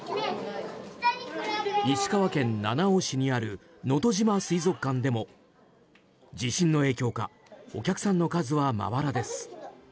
石川県七尾市にあるのとじま水族館でも地震の影響かお客さんの数はまばらです。